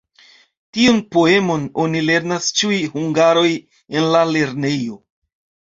Tiun poemon oni lernas ĉiuj hungaroj en la lernejo.